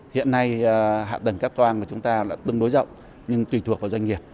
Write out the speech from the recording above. hiện nay hạ tầng các quang của chúng ta là tương đối rộng nhưng tùy thuộc vào doanh nghiệp